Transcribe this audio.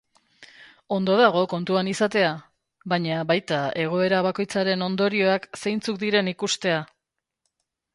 Ondo dago kontuan izatea, baina baita egoera bakoitzaren ondorioak zeintzuk diren ikustea.